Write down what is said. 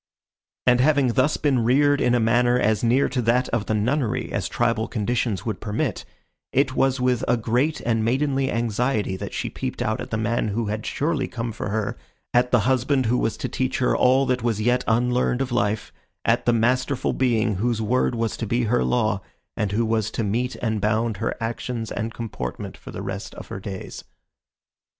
And having thus been reared in a manner as near to that of the nunnery as tribal conditions would permit, it was with a great and maidenly anxiety that she peeped out at the man who had surely come for her, at the husband who was to teach her all that was yet unlearned of life, at the masterful being whose word was to be her law, and who was to mete and bound her actions and comportment for the rest of her days.